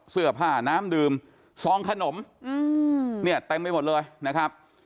เสื้อผ้าน้ำดื่มซองขนมเนี่ยเต็มไปหมดเลยนะครับ